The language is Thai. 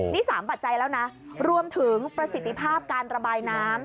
นี่๓ปัจจัยแล้วนะรวมถึงประสิทธิภาพการระบายน้ำ